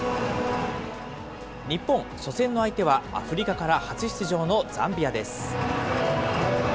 日本、初戦の相手は、アフリカから初出場のザンビアです。